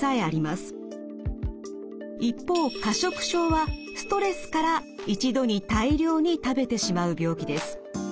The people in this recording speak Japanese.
一方過食症はストレスから一度に大量に食べてしまう病気です。